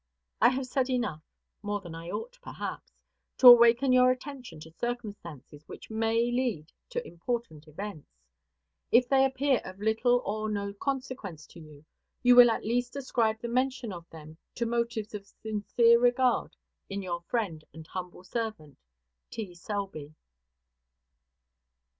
I have said enough (more than I ought, perhaps) to awaken your attention to circumstances which may lead to important events. If they appear of little or no consequence to you, you will at least ascribe the mention of them to motives of sincere regard in your friend and humble servant, T. SELBY.